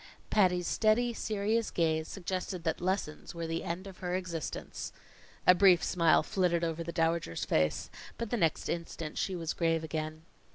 Patty's steady, serious gaze suggested that lessons were the end of her existence. A brief smile flitted over the Dowager's face, but the next instant she was grave again.